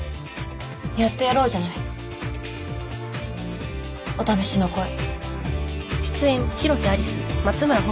やってやろうじゃないお試しの恋。